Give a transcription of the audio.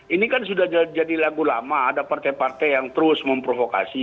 ini kan sudah jadi lagu lama ada partai partai yang terus memprovokasi